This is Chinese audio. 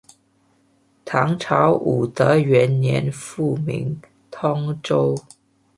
唐朝武德元年复名通州。